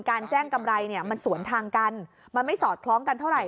การแจ้งกำไรเนี่ยมันสวนทางกันมันไม่สอดคล้องกันเท่าไห